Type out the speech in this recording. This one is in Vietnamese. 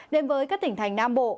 đến với các tỉnh thành nam bộ